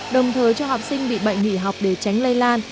đồng thời cho học sinh bị bệnh nghỉ học để tránh lây lan